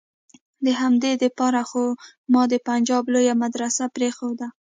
د همدې د پاره خو ما د پنجاب لويه مدرسه پرېخوده.